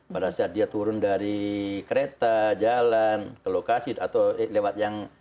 pada saat dia turun dari kereta jalan ke lokasi atau lewat yang